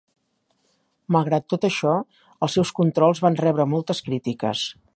Malgrat tot això, els seus controls van rebre moltes crítiques.